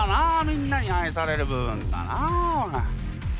みんなに愛される部分だなこれ。